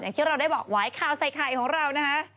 อย่างที่เราได้บอกวายขาวใส่ไข่ของเรานะฮะ